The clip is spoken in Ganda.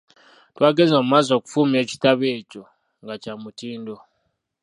Twagenze mu maaso okufulumya ekitabo ekyo nga kya mutindo.